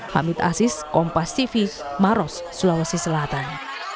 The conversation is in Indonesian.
hamid aziz kompas tv maros sulawesi selatan